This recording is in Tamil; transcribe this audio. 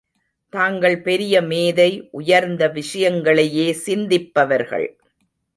தாங்கள் பெரிய மேதை உயர்ந்த விஷயங்களையே சிந்திப்பவர்கள்.